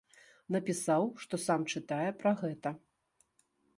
Напісаў, што сам чытае пра гэта.